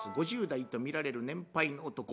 ５０代と見られる年配の男。